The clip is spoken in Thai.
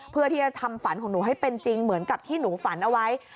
เพื่อที่จะทำฝันของหนูให้เป็นจริงเหมือนกับที่หนูฝันเอาไว้